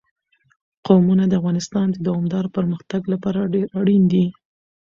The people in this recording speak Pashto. قومونه د افغانستان د دوامداره پرمختګ لپاره ډېر اړین دي.